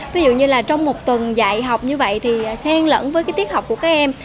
ví dụ như là trong một tuần dạy học như vậy thì sen lẫn với tiết học của các em